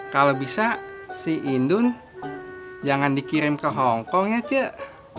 kalau bisa si inun jangan dikirim ke hongkong ya cik